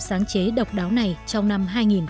sáng chế độc đáo này trong năm hai nghìn một mươi tám